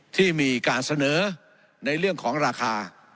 ที่มีการเสนอในเรื่องของราคา